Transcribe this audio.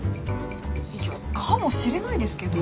いやかもしれないですけど。